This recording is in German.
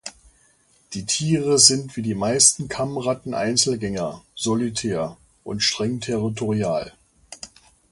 Die Tiere sind wie die meisten Kammratten Einzelgänger (solitär) und streng territorial.